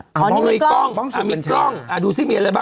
อันนี้มีกล้องมีกล้องดูซิมีอะไรบ้าง